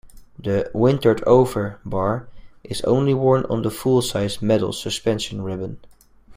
The "Wintered Over" bar is only worn on the full-size medal's suspension ribbon.